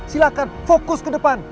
silahkan fokus ke depan